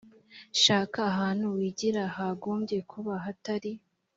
shaka ahantu wigira hagombye kuba hatari